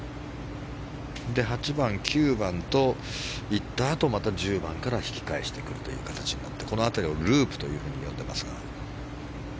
８番、９番と行ったあとまた１０番から引き返してくるという形になってこの辺りをループと呼んでいますが。